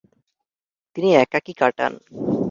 তিনি একাকি কাটান ।